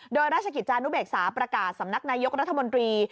โดยราชกิจจานุเบกษาประกาศสำนักนายกรัฐมนตรี